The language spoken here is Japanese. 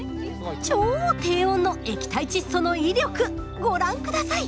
超低温の液体窒素の威力ご覧下さい！